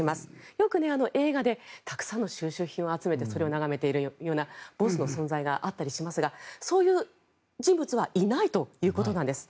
よく映画でたくさんの収集品を集めてそれを眺めているようなボスの存在があったりしますがそういう人物はいないということなんです。